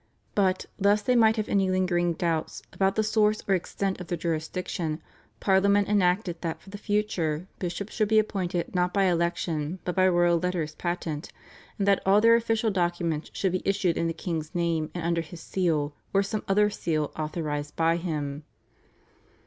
But, lest they might have any lingering doubts about the source or extent of their jurisdiction, Parliament enacted that for the future bishops should be appointed not by election but by royal letters patent, and that all their official documents should be issued in the king's name and under his seal or some other seal authorised by him.